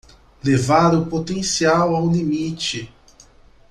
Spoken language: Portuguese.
Levar o potencial ao limite